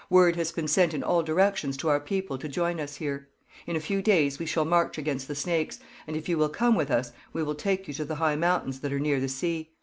Word has been sent in all directions to our people to join us here. In a few days we shall march against the Snakes; and if you will come with us, we will take you to the high mountains that are near the sea.